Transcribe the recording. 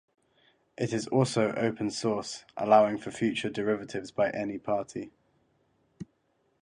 It is also open source, allowing for future derivatives by any party.